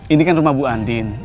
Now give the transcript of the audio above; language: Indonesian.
ini kan rumah bu andin